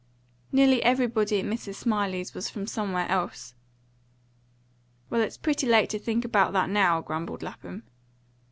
"Nearly everybody at Miss Smillie's was from some where else." "Well, it's pretty late to think about that now," grumbled Lapham.